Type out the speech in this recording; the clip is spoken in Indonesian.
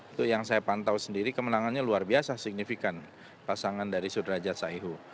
itu yang saya pantau sendiri kemenangannya luar biasa signifikan pasangan dari sudrajat saihu